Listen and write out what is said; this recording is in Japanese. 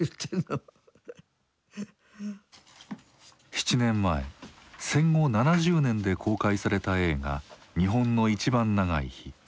７年前戦後７０年で公開された映画「日本のいちばん長い日」。